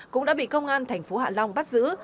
cũng đã bị công an tp hạ long bắt giữ